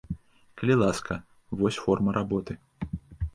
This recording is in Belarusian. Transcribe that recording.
Калі ласка, вось форма работы.